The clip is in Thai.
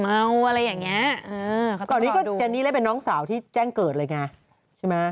อ่าจบไปแล้วค่ะ